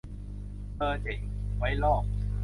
เออเจ๋ง ไว้ลอก